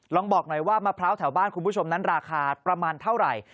ลองบอกหน่อยว่ามะพร้าวแถวบ้านคุณผู้ชมนั้นราคาประมาณเท่าไหร่